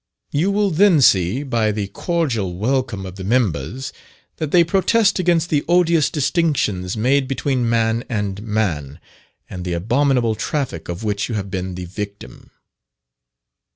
You will then see, by the cordial welcome of the members, that they protest against the odious distinctions made between man and man, and the abominable traffic of which you have been the victim."